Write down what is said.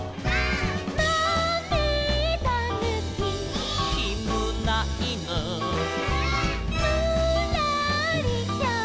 「まめだぬき」「」「きむないぬ」「」「ぬらりひょん」